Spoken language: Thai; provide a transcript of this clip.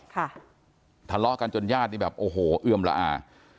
ทะเลาะกันจนญาตินี่แบบโอ้โหเอื้อมละอา